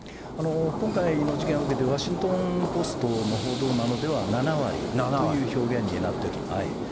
今回の事件を受けてワシントンポストの報道などでは７割という表現になってる。